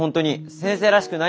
先生らしくない？